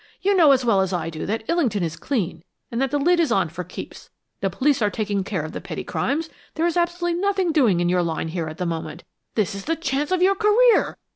You know as well as I do that Illington is clean and that the lid is on for keeps! The police are taking care of the petty crimes, and there's absolutely nothing doing in your line here at the moment. This is the chance of your career!